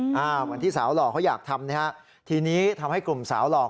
เหมือนที่สาวหล่อเขาอยากทำนะฮะทีนี้ทำให้กลุ่มสาวหลอก